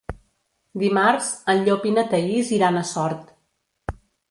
Dimarts en Llop i na Thaís iran a Sort.